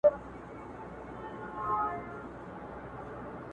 او بيا يې سمتي کړو